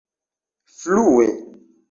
flue